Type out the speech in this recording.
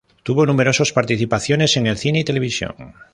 Tuvo numerosas participaciones en cine y televisión.